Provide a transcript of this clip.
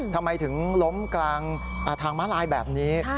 ทำไมถึงล้มกลางทางม้าลายแบบนี้